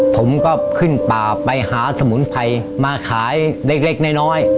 ผมก็ขึ้นป่าไปหาสมุนไพรมาขายเล็กน้อย